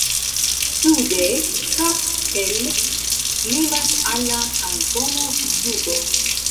Sude Kappel limas al la Kantono Zugo.